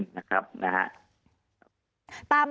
ตามแก๊งนี้มานานหรือยังคะผู้การ